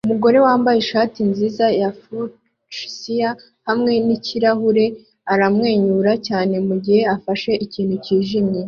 Umugore wambaye ishati nziza ya fuchsia hamwe nikirahure aramwenyura cyane mugihe afashe ikintu cyijimye